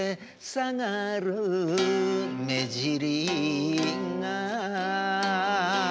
「下がる目じりが」